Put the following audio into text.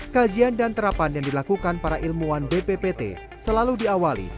kajian dan terapan yang dilakukan para ilmuwan bppt selalu diawali